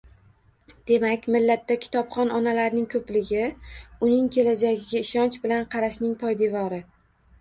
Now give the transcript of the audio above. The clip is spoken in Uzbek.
Demak, millatda kitobxon onalarning ko‘pligi uning kelajagiga ishonch bilan qarashning poydevori